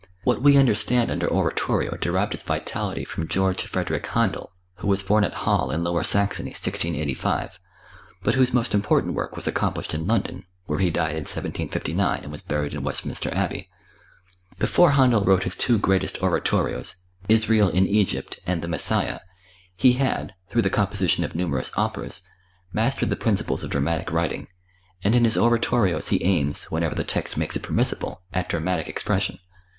What we understand under oratorio derived its vitality from George Frederick Händel, who was born at Halle in Lower Saxony, 1685, but whose most important work was accomplished in London, where he died in 1759 and was buried in Westminster Abbey. Before Händel wrote his two greatest oratorios, "Israel in Egypt" and "The Messiah," he had, through the composition of numerous operas, mastered the principles of dramatic writing, and in his oratorios he aims, whenever the text makes it permissible, at dramatic expression.